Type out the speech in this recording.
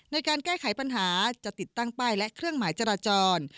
ในการแก้ไขปัญหาจะติดตั้งป้ายและเครื่องหมายจราจร